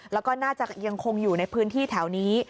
แล้วก็น่าจะยังคงอยู่ในพื้นที่แถวนี้